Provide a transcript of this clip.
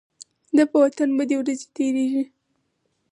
د په وطن بدې ورځې تيريږي.